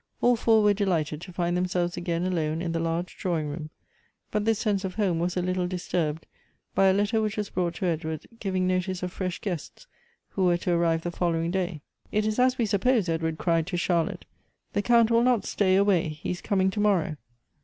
All four were delighted to find themselves again alone in the large drawing room, but this sense of home was a little dis turbed by a letter which was brought to Edward, giving notice of fresh guests who were to arrive the following day. "It is as we supposed," Edward cried to Charlotte. " The Count will not stay away ; he is coming to morrow."